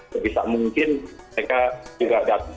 sebisa mungkin mereka juga datang